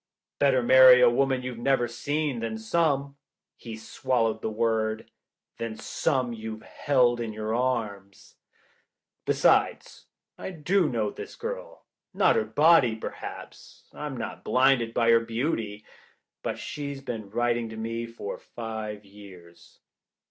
"Better marry a woman you've never seen than some," he swallowed the word, " than some you've held in your arms. Besides, I do know this girl. Not her body, perhaps. I'm not blinded by her beauty. But she's been writing to me for five years.